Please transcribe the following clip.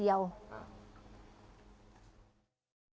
เอ้าอ่า